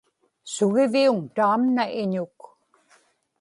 sugiviuŋ taamna iñuk